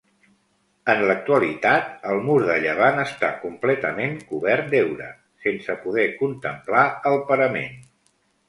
En l'actualitat, el mur de llevant està completament cobert d'heura, sense poder contemplar el parament.